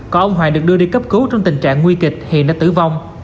còn ông hoài được đưa đi cấp cứu trong tình trạng nguy kịch hiện đã tử vong